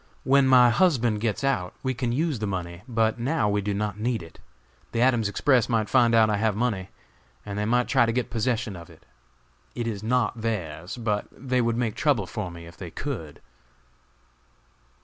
When my husband gets out we can use the money; but now we do not need it. The Adams Express might find out I have money, and they might try to get possession of it. It is not theirs, but they would make trouble for me if they could."